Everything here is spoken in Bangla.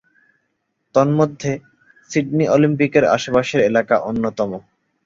তন্মধ্যে, সিডনি অলিম্পিকের আশেপাশের এলাকা অন্যতম।